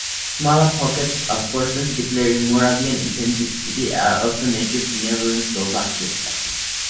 Smaller pockets of persons declaring Moravian ethnicity are also native to neighbouring Slovakia.